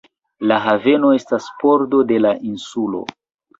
La haveno estas pordo de la insulo.